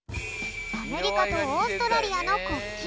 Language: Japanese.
アメリカとオーストラリアの国旗。